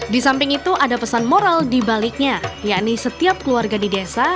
di samping itu ada pesan moral di baliknya yakni setiap keluarga di desa